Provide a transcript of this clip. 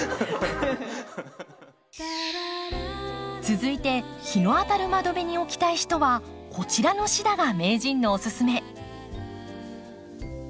続いて日の当たる窓辺に置きたい人はこちらのシダが名人のおすすめ。